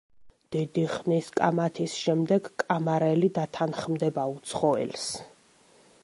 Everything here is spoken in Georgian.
დიდი ხნის კამათის შემდეგ კამარელი დათანხმდება უცხოელს.